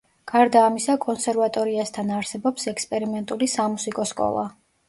გარდა ამისა, კონსერვატორიასთან არსებობს ექსპერიმენტული სამუსიკო სკოლა.